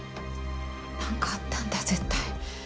何かあったんだ絶対。